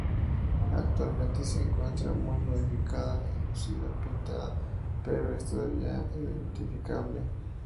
Actualmente se encuentra muy modificada, enlucida y pintada, pero es todavía identificable.